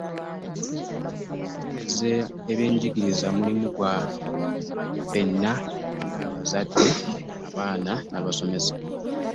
Okutereeza eby'enjigiriza mulimu gwa ffenna ng'abazadde, abaana n'abasomesa.